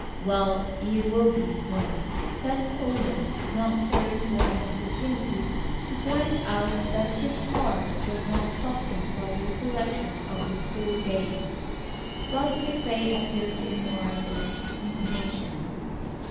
"Well, you will be soon," said Holland, not sorry for an opportunity to point out that his heart was not softened by recollections of his school days. But McVay appeared to ignore this intimation.